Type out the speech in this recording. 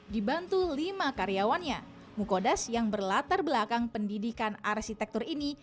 dibantu lima karyawannya mukodas yang berlatar belakang pendidikan arsitektur ini